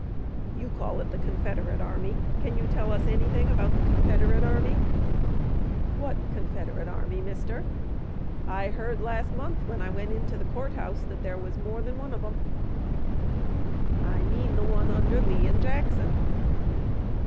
"You call it the Confederate army. Can you tell us anything about the Confederate army?" "What Confederate army, mister? I heard last month when I went in to the court house that there was more than one of them." "I mean the one under Lee and Jackson."